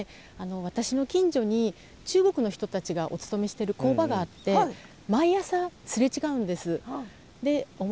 私の近所に中国の人たちがお勤めしてる工場があって毎朝すれ違うんです。